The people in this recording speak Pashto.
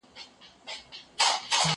هغه وويل چي بازار ګټور دی!